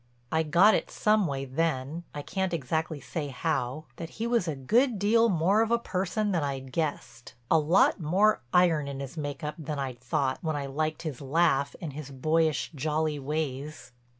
I got it some way then—I can't exactly say how—that he was a good deal more of a person than I'd guessed—a lot more iron in his make up than I'd thought when I liked his laugh and his boyish, jolly ways.